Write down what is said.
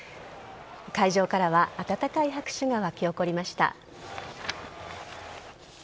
会場からは温かい拍手が沸き起こりました。